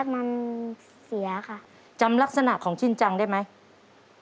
มันเสียค่ะจำลักษณะของชินจังได้ไหม